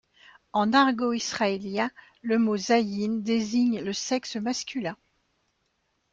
En argot israélien, le mot zayin désigne le sexe masculin.